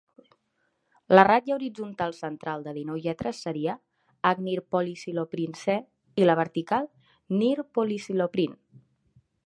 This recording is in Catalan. La ratlla horitzontal central, de dinou lletres, seria «ecnirpolisiloprince» i la vertical «nirpolisiloprin».